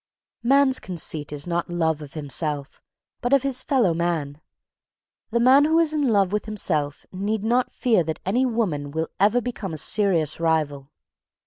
Man's conceit is not love of himself but of his fellow men. The man who is in love with himself need not fear that any woman will ever become a serious rival.